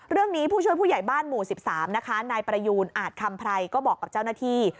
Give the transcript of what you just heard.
ผู้ช่วยผู้ใหญ่บ้านหมู่๑๓นะคะนายประยูนอาจคำไพรก็บอกกับเจ้าหน้าที่